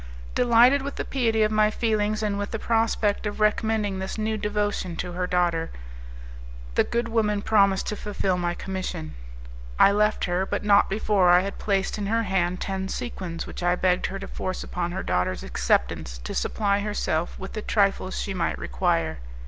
Delighted with the piety of my feelings and with the prospect of recommending this new devotion to her daughter, the good woman promised to fulfil my commission. I left her, but not before I had placed in her hand ten sequins which I begged her to force upon her daughter's acceptance to supply herself with the trifles she might require.